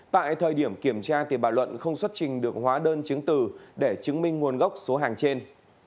tại thời điểm kiểm tra bà luận không xuất trình được hóa đơn chứng từ để chứng minh nguồn gốc số hàng trên